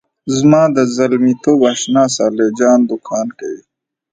زما د زلمیتوب آشنا صالح جان دوکان کوي.